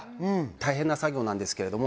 大変な作業なんですけれども。